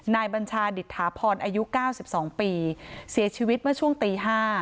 บัญชาดิษฐาพรอายุ๙๒ปีเสียชีวิตเมื่อช่วงตี๕